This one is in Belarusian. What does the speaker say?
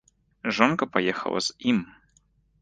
Жонка паехала з ім.